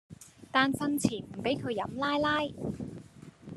但訓前唔俾佢飲奶奶